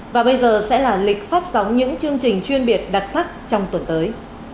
và bây giờ sẽ là lịch phát sóng những chương trình chuyên biệt đặc sắc trong tuần tới